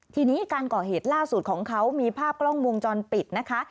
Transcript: ทีนี้การก่อเหตุล่าสุดของเขามีภาพกล้องวงจรปิดนะคะ